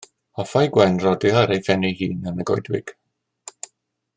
Hoffai Gwen rodio ar ei phen ei hun yn y goedwig.